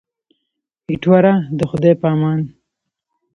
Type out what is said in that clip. ایټوره د خدای په امان.